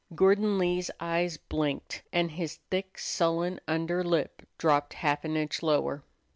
Gordon Lee's eyes blinked, and his thick, sullen under lip dropped half an inch lower.